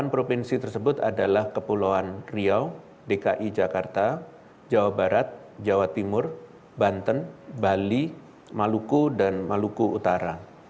delapan provinsi tersebut adalah kepulauan riau dki jakarta jawa barat jawa timur banten bali maluku dan maluku utara